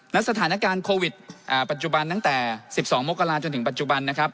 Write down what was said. และสถานการณ์โควิดปัจจุบันตั้งแต่๑๒มกราจนถึงปัจจุบันนะครับ